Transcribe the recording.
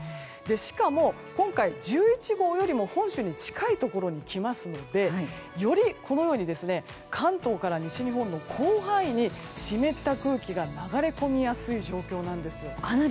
しかも今回、１１号よりも本州に近いところに来ますので関東から西日本の広範囲に湿った空気が流れ込みやすい状況なんです。